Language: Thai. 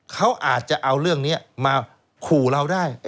เขาอาจจะเอาเรื่องนี้มาขู่เราได้